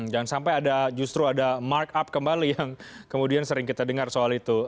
jangan sampai ada justru ada markup kembali yang kemudian sering kita dengar soal itu